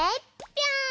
ぴょん！